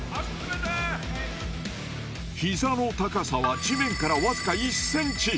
膝の高さは地面から僅か１ｃｍ。